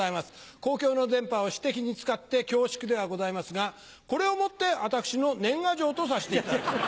公共の電波を私的に使って恐縮ではございますがこれをもって私の年賀状とさせていただきます。